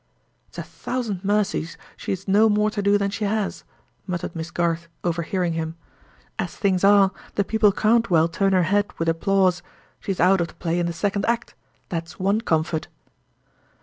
"It's a thousand mercies she's no more to do than she has," muttered Miss Garth, overhearing him. "As things are, the people can't well turn her head with applause. She's out of the play in the second act—that's one comfort!"